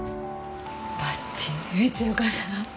バッチリ！